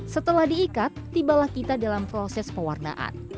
setelah diikat tibalah kita dalam proses pewarnaan